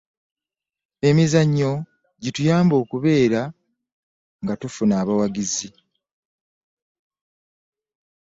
emizannyo gituyambe okubeerala nga tufuna abawagizi